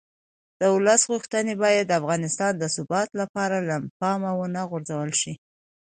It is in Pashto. د ولس غوښتنې باید د افغانستان د ثبات لپاره له پامه ونه غورځول شي